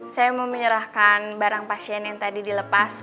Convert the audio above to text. saya mau menyerahkan barang pasien yang tadi dilepas